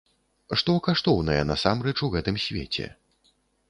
Што каштоўнае насамрэч у гэтым свеце?